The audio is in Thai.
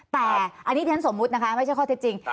แต่อันนี้ที่ฉันสมมุตินะคะไม่ใช่ข้อเท็จจริง